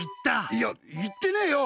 いや、言ってねえよ！